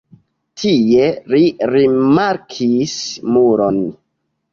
Tie li rimarkis muron.